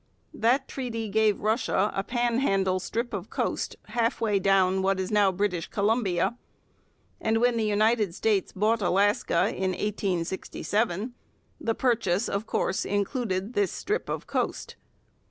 That treaty gave Russia a panhandle strip of coast half way down what is now British Columbia; and, when the United States bought Alaska in 1867, the purchase of course included this strip of coast.